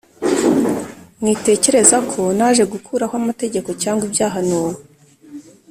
“Mwitekereza ko naje gukuraho amategeko cyangwa ibyahanuwe